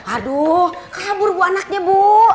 aduh kabur bu anaknya bu